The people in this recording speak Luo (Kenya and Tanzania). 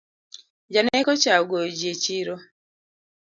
Janeko cha ogoyo jii e chiro